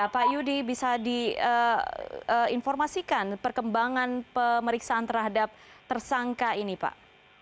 pak yudi bisa diinformasikan perkembangan pemeriksaan terhadap tersangka ini pak